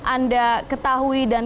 anda ketahui dan